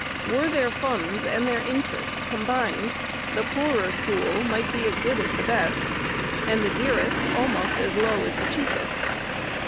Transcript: Were their funds and their interest combined, the poorer school might be as good as the best, and the dearest almost as low as the cheapest.